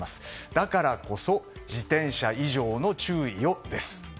だからこそ自転車以上の注意をです。